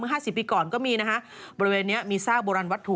ห้าสิบปีก่อนก็มีนะคะบริเวณนี้มีซากโบราณวัตถุ